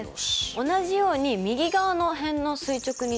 同じように右側の辺の垂直二等